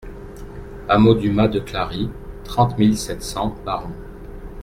Hameau du Mas de Clary, trente mille sept cents Baron